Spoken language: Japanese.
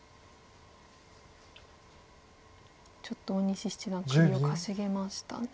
ちょっと大西七段首をかしげましたね。